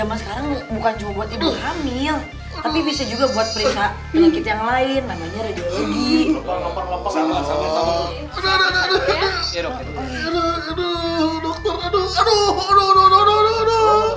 eh itu usg itu jaman sekarang bukan cuma buat ibu hamil